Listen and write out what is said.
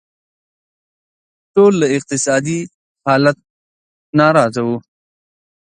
ټول له اقتصادي حالت ناراضه وو.